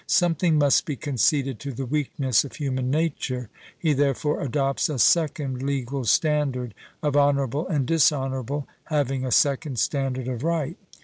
Something must be conceded to the weakness of human nature. He therefore adopts a 'second legal standard of honourable and dishonourable, having a second standard of right.'